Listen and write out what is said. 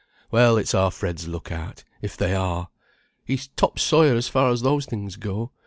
Well, it's our Fred's look out, if they are. He's top sawyer as far as those things go.